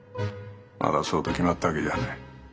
まだそうと決まったわけじゃない。